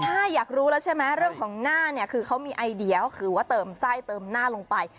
ใช่อยากรู้แล้วใช่ไหมเรื่องของหน้าเนี่ยคือเขามีไอเดียก็คือว่าเติมไส้เติมหน้าลงไป